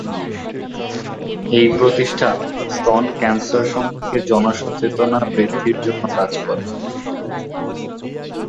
এই প্রতিষ্ঠান স্তন ক্যানসার সম্পর্কে জনসচেতনতা বৃদ্ধির জন্য কাজ করে।